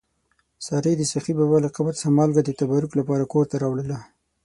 سارې د سخي بابا له قبر څخه مالګه د تبرک لپاره کور ته راوړله.